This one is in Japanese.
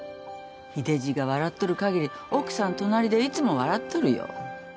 秀じいが笑っとる限り奥さん隣でいつも笑っとるよ。